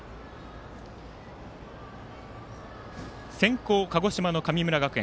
先攻、鹿児島の神村学園。